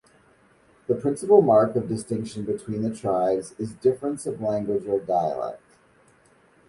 The principal mark of distinction between the tribes is difference of language or dialect.